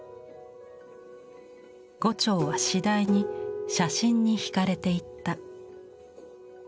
牛腸は次第に写真にひかれていった。